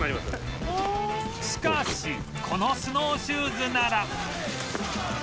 しかしこのスノーシューズなら